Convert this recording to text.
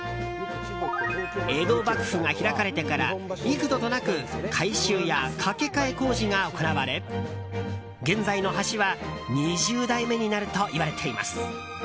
江戸幕府が開かれてから幾度となく改修や架け替え工事が行われ現在の橋は２０代目になるといわれています。